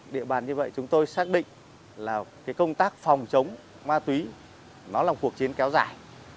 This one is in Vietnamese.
địa bàn như vậy chúng tôi xác định là công tác phòng chống ma túy nó là một cuộc chiến kéo dài